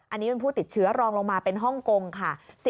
อันนี้เป็นผู้ติดเชื้อรองลงมาเป็นฮ่องกงค่ะ